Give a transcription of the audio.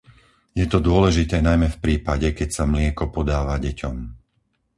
Je to dôležité najmä v prípade, keď sa mlieko podáva deťom.